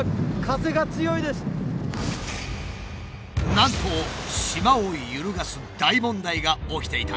なんと島を揺るがす大問題が起きていた。